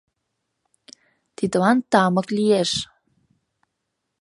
— Тидлан тамык лиеш!